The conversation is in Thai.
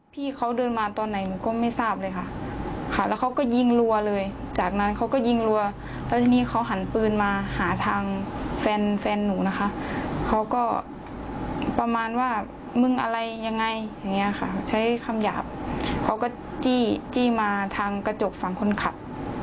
ประมาณว่ามึงอะไรยังไงอย่างนี้ค่ะใช้คำหยาบเขาก็จี้มาทางกระจกฝั่งคนขาด